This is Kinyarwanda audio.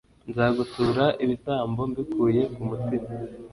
nzagutura ibitambo mbikuye ku mutima